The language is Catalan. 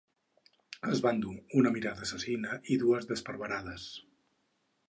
Es va endur una mirada assassina i dues d'esparverades.